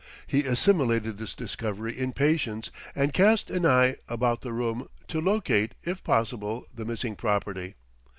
He assimilated this discovery in patience and cast an eye about the room, to locate, if possible, the missing property.